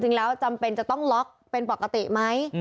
จริงแล้วจำเป็นจะต้องล็อคเป็นปกติไหม